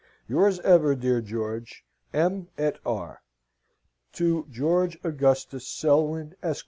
Yours ever, dear George, M. et R." "To George Augustus Selwyn, Esq.